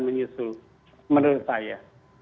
menyusul menurut saya